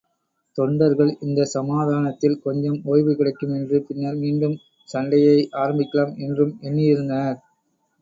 தொண்டர்கள் இந்தச்சமாதானத்தில் கொஞ்சம் ஓய்வுகிடைக்கும் என்றும், பின்னர் மீண்டும் சண்டையை ஆரம்பிக்கலாம் என்றும் எண்ணியிருந்தனர்.